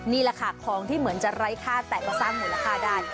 นี่แหละค่ะของที่เหมือนจะไร้ค่าแต่ก็สร้างมูลค่าได้